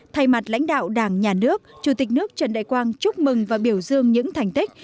thay mặt lãnh đạo đảng nhà nước chủ tịch nước trần đại quang chúc mừng và biểu dương những thành tích